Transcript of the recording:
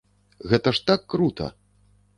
Гэта ж так крута!